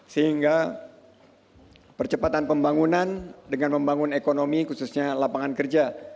sehingga percepatan pembangunan dengan membangun ekonomi khususnya lapangan kerja